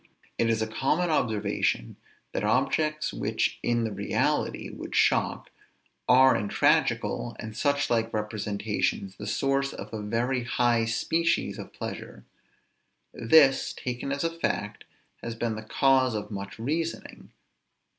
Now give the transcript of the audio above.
It is a common observation, that objects which in the reality would shock, are in tragical, and such like representations, the source of a very high species of pleasure. This, taken as a fact, has been the cause of much reasoning.